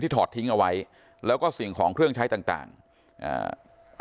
ถอดทิ้งเอาไว้แล้วก็สิ่งของเครื่องใช้ต่างต่างอ่า